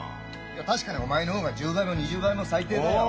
いや確かにお前の方が１０倍も２０倍も最低だよ。